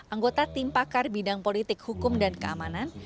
anggota tim pakar bidang politik hukum dan keamanan